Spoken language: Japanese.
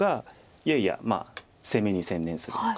いやいや攻めに専念するのか。